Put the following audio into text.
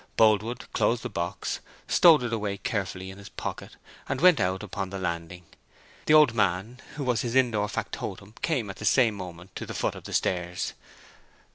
Boldwood closed the box, stowed it away carefully in his pocket, and went out upon the landing. The old man who was his indoor factotum came at the same moment to the foot of the stairs.